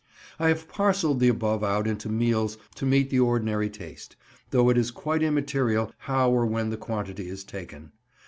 I have parcelled the above out into meals to meet the ordinary taste, though it is quite immaterial how or when the quantity is taken.